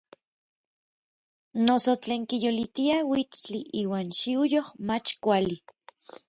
Noso tlen kiyolitia uitstli iuan xiuyoj mach kuali.